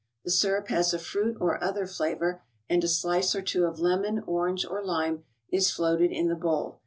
The syrup has a fruit or other flavor, and a slice or two of lemon, orange or lime is floated in the bowl.